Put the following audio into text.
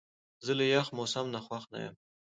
زه له یخ موسم نه خوښ نه یم.